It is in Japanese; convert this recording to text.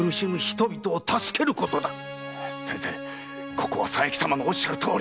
ここは佐伯様のおっしゃるとおりに！